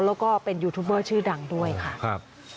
แล้วก็เป็นยูทูบเบอร์ชื่อดังด้วยค่ะครับ